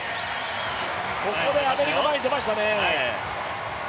ここでアメリカ、前に出ましたね。